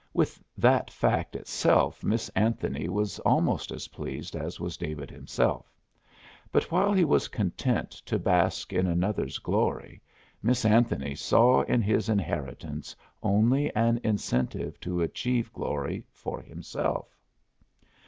With that fact itself Miss Anthony was almost as pleased as was David himself, but while he was content to bask in another's glory, Miss Anthony saw in his inheritance only an incentive to achieve glory for himself.